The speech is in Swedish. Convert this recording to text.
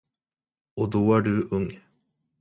Och då är du ung.